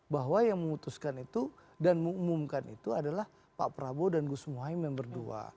bahwa yang memutuskan itu dan mengumumkan itu adalah pak prabowo dan gus muhaymin yang berdua